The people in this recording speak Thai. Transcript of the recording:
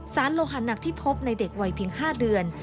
โลหะหนักที่พบในเด็กวัยเพียง๕เดือน